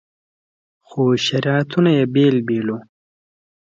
خو شریعتونه یې بېل بېل وو.